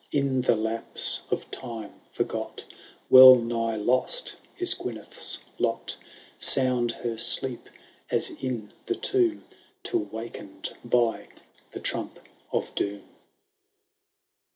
In the lapse of time forgot, Wellnlgh lost is Oyneth'S lot ; Sound her deep as in the tomb. Till waken*d by the tmmp of doom."